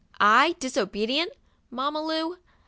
I disobedient, Mam ma Lu